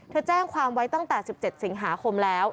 แจ้งความไว้ตั้งแต่๑๗สิงหาคมแล้ว